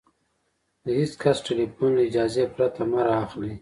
د هېڅ کس ټلیفون له اجازې پرته مه را اخلئ!